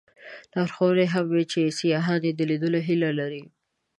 لارښوونې هم وې چې سیاحان یې د لیدلو هیله لري.